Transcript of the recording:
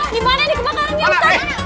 dimana nih kebakarannya ustaz